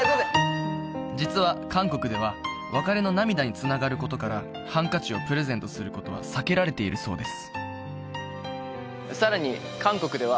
実は韓国では別れの涙につながることからハンカチをプレゼントすることは避けられているそうです